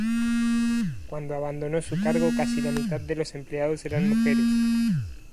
Cuando abandonó su cargo, casi la mitad de los empleados eran mujeres.